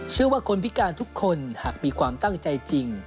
เชื่อว่าคนพิการทุกคนหากมีความตั้งใจจริง